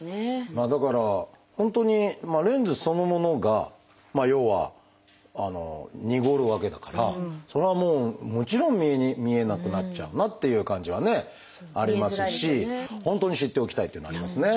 まあだから本当にレンズそのものが要はにごるわけだからそれはもうもちろん見えなくなっちゃうなっていう感じはねありますし本当に知っておきたいというのはありますね。